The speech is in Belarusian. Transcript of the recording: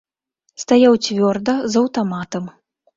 Стаяў цвёрда, з аўтаматам.